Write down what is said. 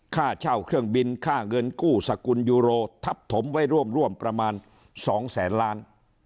ค่าเช่าเครื่องบินค่าเงินกู้สกุลยูโรทับถมไว้ร่วมประมาณ๒แสนล้าน